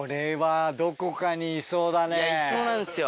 いやいそうなんすよ